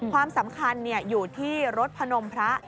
ความสำคัญอยู่ที่รถพนมพระ